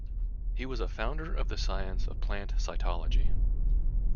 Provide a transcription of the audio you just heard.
He was a founder of the science of plant cytology.